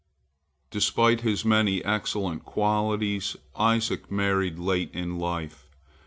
Despite his many excellent qualities, Isaac married late in life.